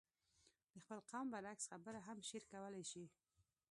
د خپل قوم برعکس خبره هم شعر کولای شي.